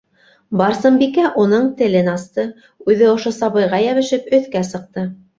Барсынбикә уның телен асты, үҙе ошо сабыйға йәбешеп өҫкә сыҡты.